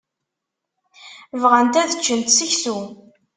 Bɣant ad ččent seksu.